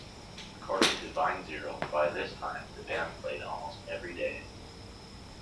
According to Weinzierl by this time The band played almost every day.